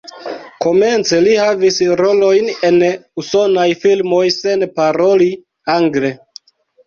Komence li havis rolojn en usonaj filmoj sen paroli angle.